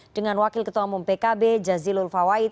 dengan wakil ketua umum pkb jazilul fawait